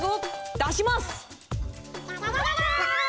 出します！